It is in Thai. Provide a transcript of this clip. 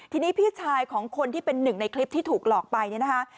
ทีนี้พี่ชายของคนที่เป็นหนึ่งในคลิปที่ถูกหลอกไปเนี่ยนะคะ